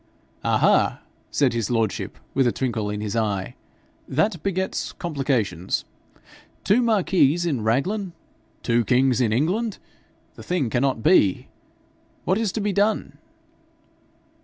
'Ah! ha!' said his lordship, with a twinkle in his eye, 'that begets complications. Two marquises in Raglan? Two kings in England! The thing cannot be. What is to be done?'